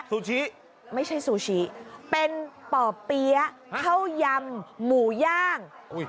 ซูชิไม่ใช่ซูชิเป็นป่อเปี๊ยะข้าวยำหมูย่าง